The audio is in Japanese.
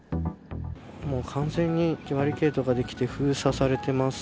もう完全にバリケードができて封鎖されてます。